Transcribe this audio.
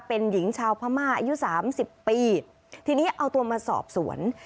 เป็นหญิงชาวพม่าอายุสามสิบปีทีนี้เอาตัวมาสอบสวน